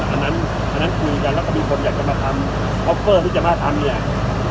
อันนั้นอันนั้นคุยกันแล้วก็มีคนอยากจะมาทำคอฟเฟอร์ที่จะมาทำเนี่ย